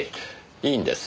いいんです。